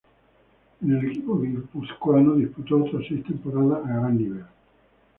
En el equipo guipuzcoano disputó otras seis temporadas a gran nivel.